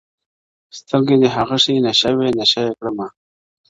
o سترګي دي هغسي نسه وې، نسه یي ـ یې کړمه.